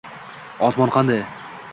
«Osmon qanday?»